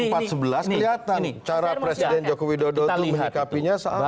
waktu empat sebelas kelihatan cara presiden jokowi dodo itu menikapinya salah